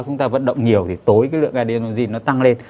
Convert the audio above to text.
chúng ta vận động nhiều thì tối cái lượng idenzin nó tăng lên